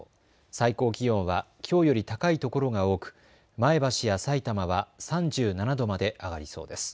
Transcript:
最高気温はきょうより高いところが多く前橋やさいたまは３７度まで上がりそうです。